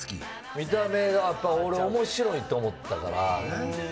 見た目がやっぱ、俺はおもしろいと思ったから。